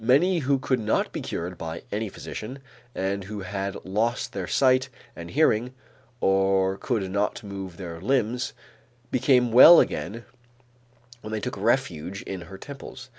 Many who could not be cured by any physician, and who had lost their sight and hearing or could not move their limbs, became well again when they took refuge in her temples.